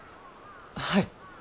はい。